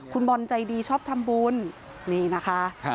คุณบอลใจดีชอบทำบุญนี่นะคะ